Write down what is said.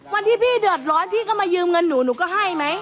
วันที่พี่เดือดร้อนพี่ก็มายืมเงินหนูหนูก็ให้ไหม